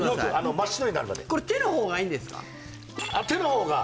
真っ白になるまで手の方がいいです